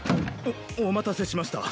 おお待たせしました。